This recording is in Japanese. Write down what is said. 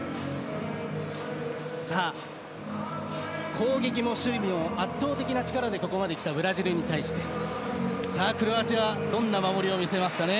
攻撃も守備も圧倒的な力できたブラジルに対してクロアチアはどんな守りを見せますかね？